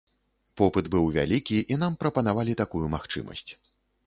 Попыт быў вялікі, і нам прапанавалі такую магчымасць.